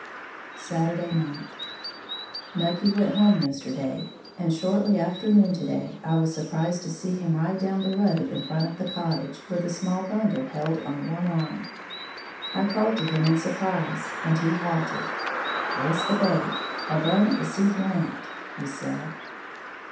Saturday Night. Nucky went home yesterday; and shortly after noon to day I was surprised to see him ride down the road in front of the cottage, with a small bundle held on one arm. I called to him in surprise, and he halted. "It's the babe, I brung it to see Blant," he said.